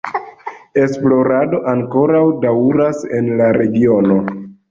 Esplorado ankoraŭ daŭras en la regiono.